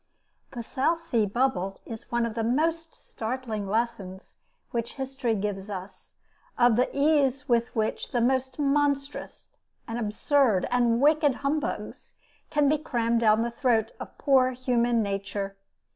The "South Sea Bubble" is one of the most startling lessons which history gives us of the ease with which the most monstrous, and absurd, and wicked humbugs can be crammed down the throat of poor human nature.